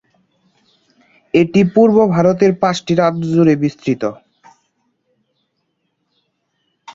এটি পূর্ব ভারতের পাঁচটি রাজ্য জুড়ে বিস্তৃত।